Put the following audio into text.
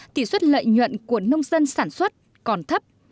tỷ suất lợi nhuận của nông dân sản xuất còn thấp